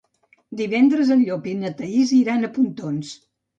Divendres en Llop i na Thaís iran a Pontons.